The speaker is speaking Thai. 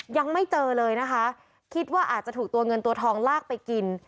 ยังไม่เจอเลยนะคะคิดว่าอาจจะถูกตัวเงินตัวทองลากไปกิน